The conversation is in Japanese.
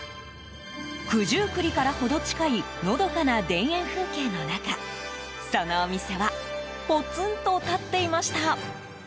九十九里からほど近いのどかな田園風景の中そのお店はぽつんと立っていました。